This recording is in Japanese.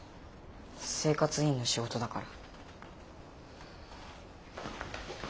生活委員の仕事だから。